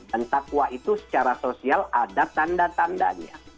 dan takwa itu secara sosial ada tanda tandanya